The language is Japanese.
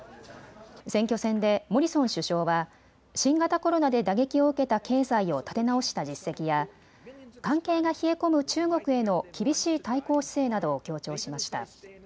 選挙戦でモリソン首相は新型コロナで打撃を受けた経済を立て直した実績や関係が冷え込む中国への厳しい対抗姿勢などを強調しました。